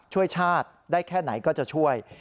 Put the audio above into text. ช่วยชาติได้แค่ไหนก็จะช่วย